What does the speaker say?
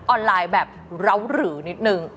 ออนไลน์แบบเหล้าหรือนิดนึง